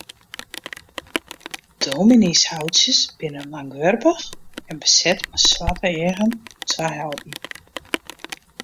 Dominyshoutsjes binne langwerpich en beset mei swarte eagen oer twa helten.